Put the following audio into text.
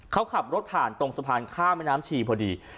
เขาขับรถผ่านตรงสะพานข้ามแม่น้ำชีพอดี